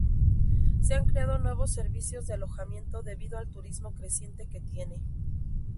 Se han creado nuevos servicios de alojamientos debido al turismo creciente que tiene.